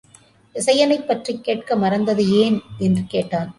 விசயனைப் பற்றிக் கேட்க மறந்தது ஏன்? என்று கேட்டான்.